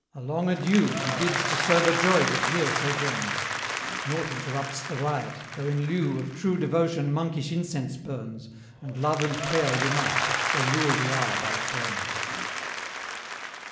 A long adieu He bids to sober joy that here sojourns: Nought interrupts the riot, though in lieu Of true devotion monkish incense burns, And love and prayer unite, or rule the hour by turns.